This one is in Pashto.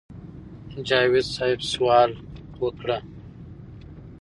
جاوېد صېب سوال وکړۀ